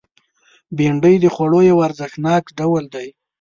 بېنډۍ د خوړو یو ارزښتناک ډول دی